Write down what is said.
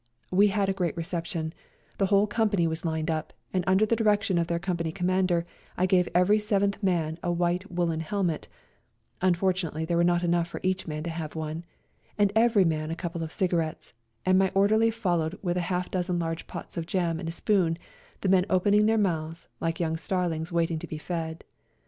We had a great reception, the whole company was lined up, and under the direction of their Company Commander I gave every seventh man a white woollen helmet— unfortunately there were not enough for each man to have one — and every man a couple of cigarettes, and my orderly fol lowed with half a dozen large pots of jam and a spoon, the men opening their mouths like young starlings waiting to be fed.